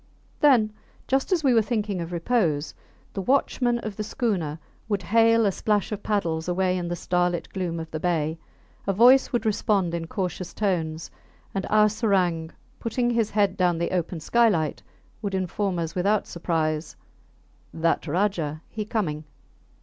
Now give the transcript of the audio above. Then, just as we were thinking of repose, the watchmen of the schooner would hail a splash of paddles away in the starlit gloom of the bay; a voice would respond in cautious tones, and our serang, putting his head down the open skylight, would inform us without surprise, That Rajah, he coming.